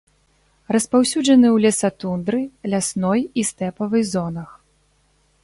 Распаўсюджаны ў лесатундры, лясной і стэпавай зонах.